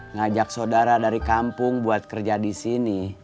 ngajak saudara dari kampung buat kerja di sini